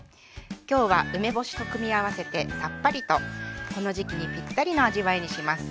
今日は梅干しと組み合わせてさっぱりとこの時期にぴったりの味わいにします。